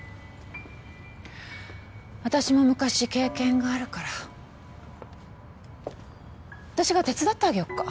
私も昔経験があるから私が手伝ってあげよっか？